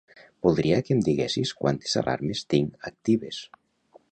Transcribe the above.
Voldria que em diguessis quantes alarmes tinc actives.